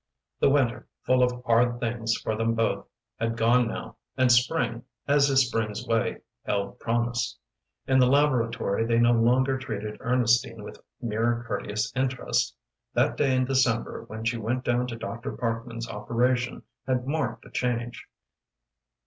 The winter, full of hard things for them both, had gone now, and spring, as is spring's way, held promise. In the laboratory they no longer treated Ernestine with mere courteous interest. That day in December when she went down to Dr. Parkman's operation had marked a change.